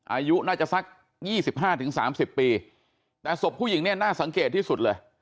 อายุน่าจะสักยี่สิบห้าถึงสามสิบปีแต่ศพผู้หญิงเนี่ยน่าสังเกตที่สุดเลย